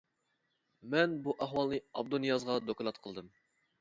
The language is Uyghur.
مەن بۇ ئەھۋالنى ئابدۇنىيازغا دوكلات قىلدىم.